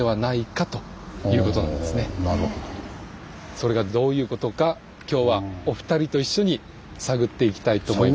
それがどういうことか今日はお二人と一緒に探っていきたいと思います。